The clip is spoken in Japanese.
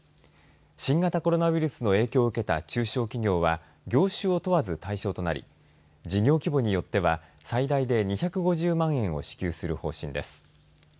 新型コロナウイルスの影響を受けた中小企業は業種を問わず対象となり事業規模によっては最大で２５０万円を支給する方針です。